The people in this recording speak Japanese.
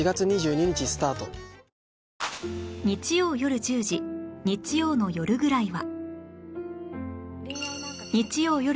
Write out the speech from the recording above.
日曜よる１０時『日曜の夜ぐらいは．．．』